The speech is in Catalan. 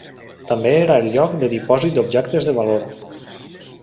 També era el lloc de dipòsit d'objectes de valor.